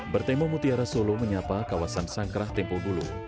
bertemu mutiara solo menyapa kawasan sangkrah tempoh dulu